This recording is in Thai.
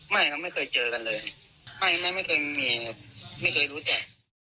ไม่ครับไม่เคยเจอกันเลยไม่ไม่เคยมีครับไม่เคยรู้จัก